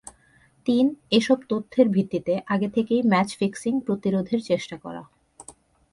তিন, এসব তথ্যের ভিত্তিতে আগে থেকেই ম্যাচ ফিক্সিং প্রতিরোধের চেষ্টা করা।